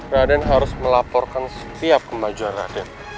raden harus melaporkan setiap kemajuan rakyat